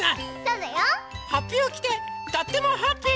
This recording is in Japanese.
はっぴをきてとってもハッピー！